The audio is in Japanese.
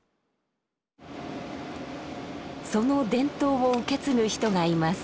その伝統を受け継ぐ人がいます。